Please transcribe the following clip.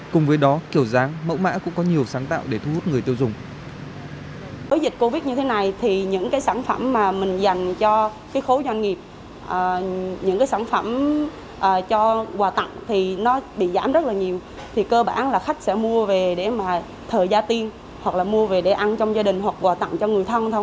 cùng với đó kiểu dáng mẫu mã cũng có nhiều sáng tạo để thu hút người tiêu dùng